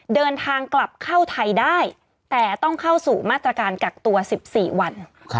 เดินทางกลับเข้าไทยได้แต่ต้องเข้าสู่มาตรการกักตัว๑๔วัน